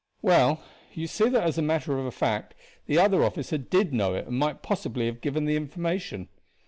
"Well, you see that as a matter of fact the other officer did know it, and might possibly have given the information."